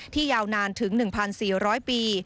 ยาวนานถึง๑๔๐๐ปี